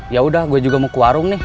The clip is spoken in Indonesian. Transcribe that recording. yaudah gue juga mau ke warung nih